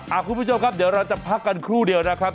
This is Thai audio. คุณผู้ชมครับเดี๋ยวเราจะพักกันครู่เดียวนะครับ